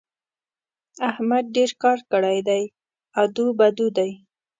احمد ډېر کار کړی دی؛ ادو بدو دی.